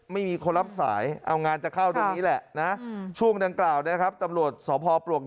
ไม่มีคนรับสายเอางานจะเข้าตรงนี้แหละนะช่วงดังกล่าวนะครับตำรวจสพปลวก